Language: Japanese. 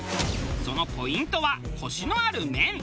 そのポイントはコシのある麺。